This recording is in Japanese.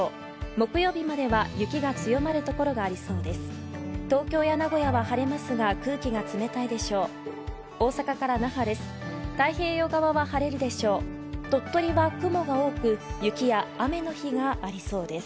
木曜日までは雪が強まる所がありそうです。